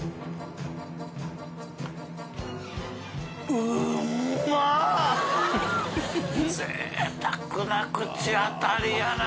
淵船礇鵝ぜいたくな口当たりやな。